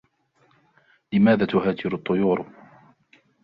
لماذا تهاجر الطيور؟